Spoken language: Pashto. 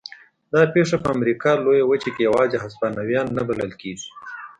دا پېښه په امریکا لویه وچه کې یوازې هسپانویان نه بلل کېږي.